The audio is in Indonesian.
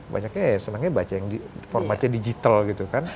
banyaknya ya senangnya baca yang formatnya digital gitu kan